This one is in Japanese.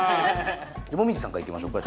紅葉さんからいきましょうか。